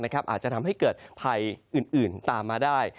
อาจจะทำให้เกิดภัยอื่นตามมาได้